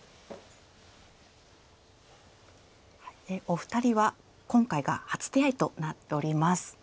お二人は今回が初手合となっております。